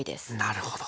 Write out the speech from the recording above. なるほど。